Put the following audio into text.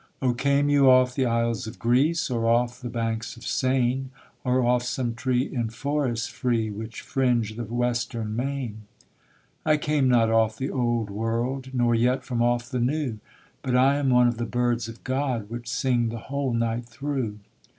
'Oh came you off the isles of Greece, Or off the banks of Seine; Or off some tree in forests free, Which fringe the western main?' 'I came not off the old world Nor yet from off the new But I am one of the birds of God Which sing the whole night through.'